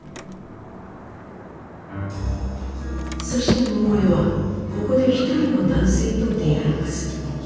そして桃枝はここで一人の男性と出会います。